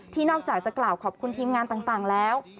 นอกจากจะกล่าวขอบคุณทีมงานต่างแล้ว